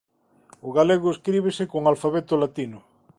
O galego escríbese co alfabeto latino.